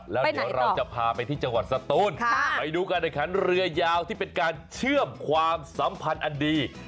แล้วเดี๋ยวเราจะพาไปที่จังหวัดสตูนไปดูการแข่งขันเรือยาวที่เป็นการเชื่อมความสัมพันธ์อันดี